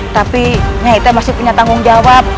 tapi nyai itu masih punya tanggung jawab